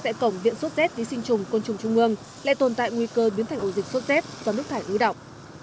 sẽ cổng viện xuất xét tí sinh trùng côn trùng trung ương lại tồn tại nguy cơ biến thành ổ dịch xuất xét do nước thải úi độc